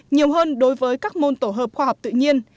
nhiều hơn đối với các môn tổ hợp khoa học tự nhiên